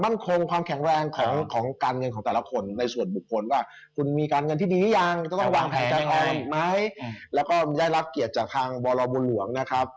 แล้วก็ได้รักเกียรติจากทางบรมลวงนะครับ